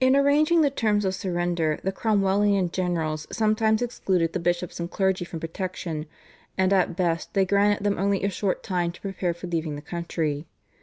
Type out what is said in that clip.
In arranging the terms of surrender the Cromwellian generals sometimes excluded the bishops and clergy from protection, and at best they granted them only a short time to prepare for leaving the country.